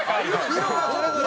色がそれぞれ？